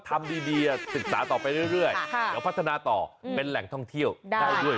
ทำดีศึกษาต่อไปเรื่อยเดี๋ยวพัฒนาต่อเป็นแหล่งท่องเที่ยวได้ด้วย